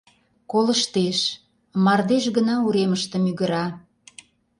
Колыштеш: мардеж гына уремыште мӱгыра...